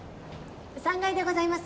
３階でございます。